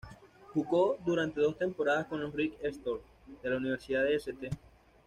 Jugó durante dos temporadas con los "Red Storm" de la Universidad de St.